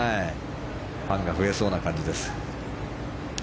ファンが増えそうな感じです。